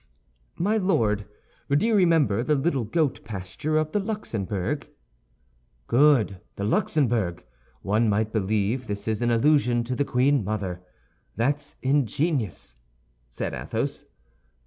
"My Lord, do you remember the little goat pasture of the Luxembourg?" "Good, the Luxembourg! One might believe this is an allusion to the queen mother! That's ingenious," said Athos.